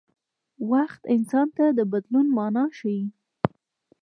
وخت انسان ته د بدلون مانا ښيي.